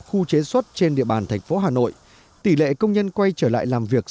khu chế xuất trên địa bàn thành phố hà nội tỷ lệ công nhân quay trở lại làm việc